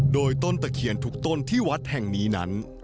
โดยต้นตะเคียนทุกต้นที่วัดแห่งนี้นั้น